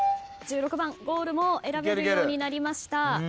１６番ゴールも選べるようになりました。